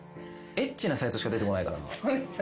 エッチなサイトしか出てこないから。